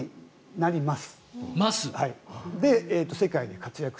なります。